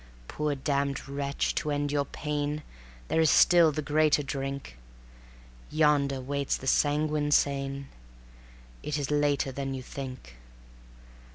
Poor damned wretch, to end your pain There is still the Greater Drink. Yonder waits the sanguine Seine ... It is later than you think.